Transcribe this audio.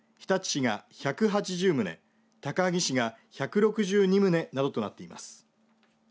日立市が１８０棟高萩市が１６２棟などとなっています。